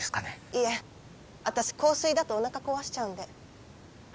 いえ私硬水だとおなか壊しちゃうんで。